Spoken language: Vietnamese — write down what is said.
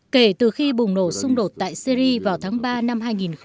kể từ khi bùng nổ xung đột tại syria vào tháng ba năm hai nghìn một mươi một